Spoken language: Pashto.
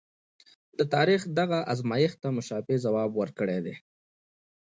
د تاریخ دغه ازمایښت ته مشابه ځواب ورکړی دی.